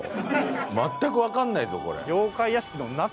全くわかんないぞこれ。